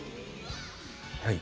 はい。